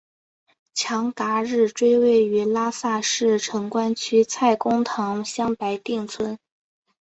强嘎日追位于拉萨市城关区蔡公堂乡白定村。